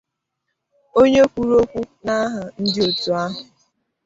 Onye kwuru okwu n'aha ndị òtù ahụ